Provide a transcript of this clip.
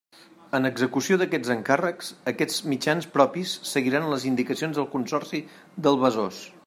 En execució d'aquests encàrrecs, aquests mitjans propis seguiran les indicacions del Consorci del Besòs.